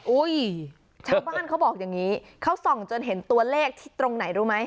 อุ้ยชาวบ้านเขาบอกอย่างนี้เขาส่องจนเห็นตัวเลขที่ตรงไหนรู้ไหม